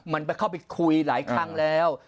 มันไปเข้าไปคุยหลายครั้งแล้ว